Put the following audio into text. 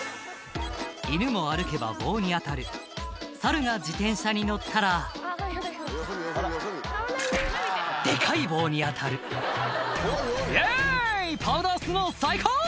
犬も歩けば棒に当たる猿が自転車に乗ったらデカい棒に当たる「イエイパウダースノー最高！」